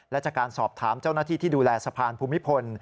และจากการสอบถามเจ้าหน้าที่ที่ดูแลสะพานภูมิพล